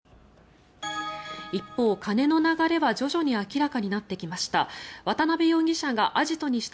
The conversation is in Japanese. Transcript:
一方、金の流れは徐々に明らかになってきました。